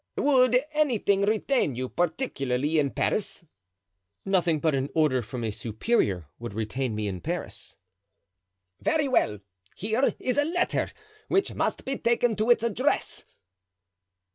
"Would anything retain you particularly in Paris?" "Nothing but an order from a superior would retain me in Paris." "Very well. Here is a letter, which must be taken to its address."